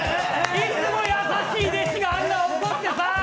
いつも優しい弟子があんな怒ってさ！